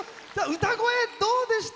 歌声、どうでした？